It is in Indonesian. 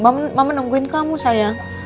ada anak yang kuat